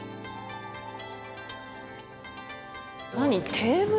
テーブル？